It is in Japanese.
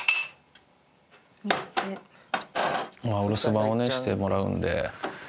お留守番をねしてもらうんで。